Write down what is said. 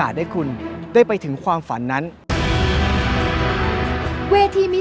สนุนโดยสถาบันความงามโย